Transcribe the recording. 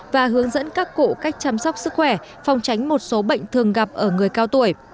và hướng dẫn các cụ cách chăm sóc sức khỏe phòng tránh một số bệnh thường gặp ở người cao tuổi